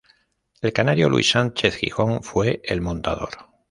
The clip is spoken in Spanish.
El canario Luis Sánchez Gijón fue el montador.